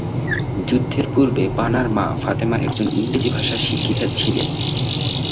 যুদ্ধের পূর্বে বানার মা ফাতেমা একজন ইংরেজি ভাষার শিক্ষিকা ছিলেন।